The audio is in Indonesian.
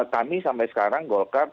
kami sampai sekarang golkar